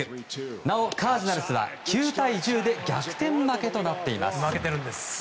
なお、カージナルスは９対１０で逆転負けとなっています。